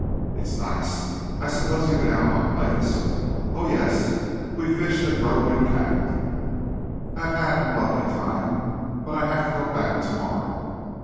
"It is nice. I suppose you've been out on the lakes?" "Oh, yes. We've fished and rowed and camped. I have had a lovely time but I have to go back tomorrow."